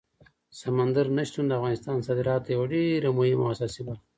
سمندر نه شتون د افغانستان د صادراتو یوه ډېره مهمه او اساسي برخه ده.